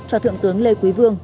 cho thượng tướng lê quý vương